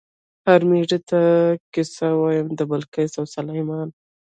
"هر مېږي ته قصه وایم د بلقیس او سلیمان".